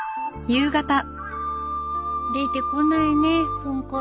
出てこないねフンコロガシ。